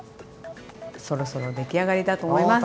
そろそろできあがりだと思います。